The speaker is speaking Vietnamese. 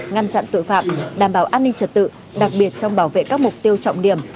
ngăn chặn tội phạm đảm bảo an ninh trật tự đặc biệt trong bảo vệ các mục tiêu trọng điểm